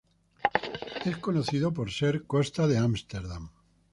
Es conocido por ser costa de Ámsterdam.